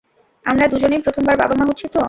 আমরা দুজনেই প্রথমবার বাবা-মা হচ্ছি তো।